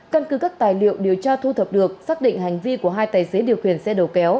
căn cứ các tài liệu điều tra thu thập được xác định hành vi của hai tài xế điều khiển xe đầu kéo